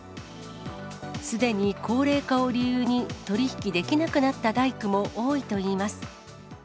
すでに高齢化を理由に、取り引きできなくなった大工も多いといいます。